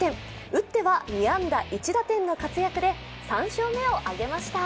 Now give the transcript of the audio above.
打っては２安打１打点の活躍で３勝目を挙げました。